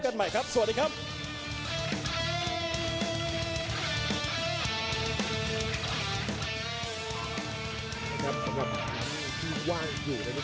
กันต่อแพทย์จินดอร์